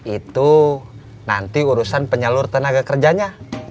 itu nanti urusan penyalur tenaga kerjanya